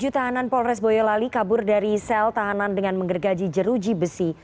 tujuh tahanan polres boyolali kabur dari sel tahanan dengan menggergaji jeruji besi